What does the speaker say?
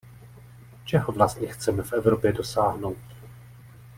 Čeho vlastně chceme v Evropě dosáhnout?